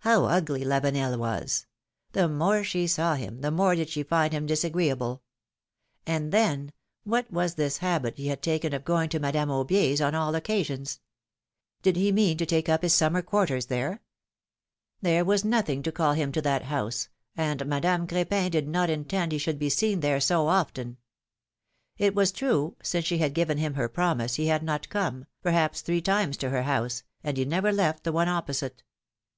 How ugly Lavenel was ! The more she saw him, the more did she find him disagreeable. And then, what w^as this habit he had taken of going to Madame AubiePs on all occasions? Did he mean to take up his summer quarters there? There was nothing to call him to that PHILOMi:NE's MARRIAGES. 179 house, and Madame Cr6pin did not intend he should be seen there so often. It was true, since she had given him her promise, he had not come, perhaps, three times to her house, and he never left the one opposite.